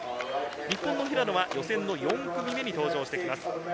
日本の平野は予選４組目に登場します。